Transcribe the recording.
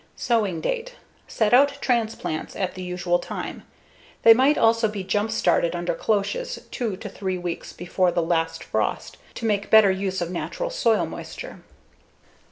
Sowing date: Set out transplants at the usual time. They might also be jump started under cloches two to three weeks before the last frost, to make better use of natural soil moisture.